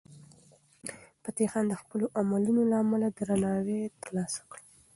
فتح خان د خپلو عملونو له امله درناوی ترلاسه کړ.